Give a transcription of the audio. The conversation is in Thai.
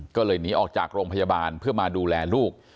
ก็เลยหนีออกจากโรงพยาบาลเพื่อมาดูแลลูก